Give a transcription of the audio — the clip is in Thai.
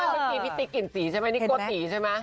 พสิทธิ์กลิ่นสีใช่ไหมนี่คว้าทีใช่ไหม